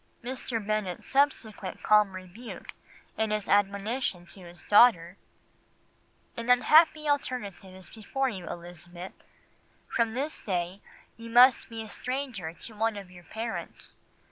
'" Mr. Bennet's subsequent calm rebuke in his admonition to his daughter, "'An unhappy alternative is before you, Elizabeth. From this day you must be a stranger to one of your parents.